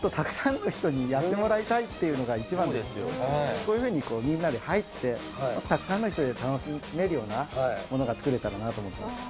こういうふうにみんなで入ってたくさんの人で楽しめるようなものが作れたらなと思ってます。